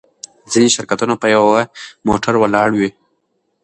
ځینې شرکتونه په یوه موټر ولاړ وي.